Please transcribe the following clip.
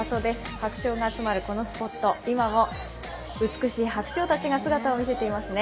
白鳥が集まるこのスポット、今も美しい白鳥たちが姿を見せていますね。